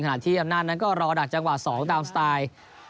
ที่อำนาจนั้นก็รอดักจังหวะ๒ตามสไตล์